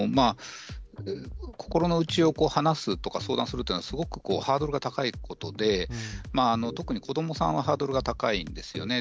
心の内を話す、相談するというのはすごくハードルが高いことで、特に子どもさんはハードルが高いですね。